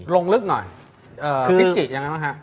ลงลึกหน่อยพิจิกอย่างนั้นหรอครับ